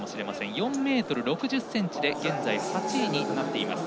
４ｍ６０ｃｍで現在８位になっています。